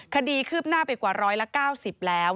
คดีคืบหน้าไปกว่าร้อยละเก้าสิบแล้ว